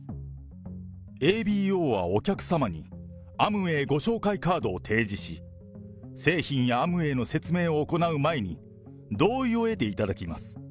ＡＢＯはお客様にアムウェイご紹介カードを提示し、製品やアムウェイの説明を行う前に、同意を得ていただきます。